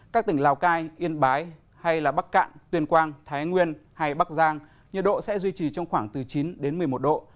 các tỉnh lào cai yên bái hay bắc cạn tuyên quang thái nguyên hay bắc giang nhiệt độ sẽ duy trì trong khoảng từ chín đến một mươi một độ